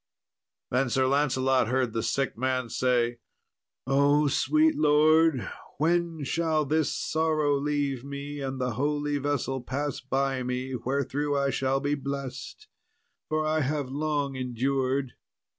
Then Sir Lancelot heard the sick man say, "O sweet Lord, when shall this sorrow leave me, and the holy vessel pass by me, wherethrough I shall be blessed? for I have long endured."